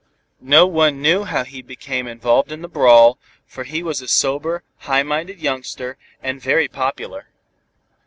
No one knew how he became involved in the brawl, for he was a sober, high minded youngster, and very popular.